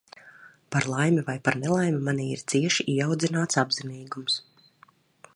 Par laimi vai par nelaimi, manī ir cieši ieaudzināts apzinīgums.